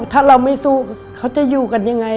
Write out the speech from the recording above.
ถ้าเราไม่สู้เขาจะอยู่กันยังไง